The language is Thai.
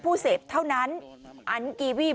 ผู้เสพเท่านั้นอันกีวีป